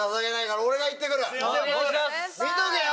見とけよ！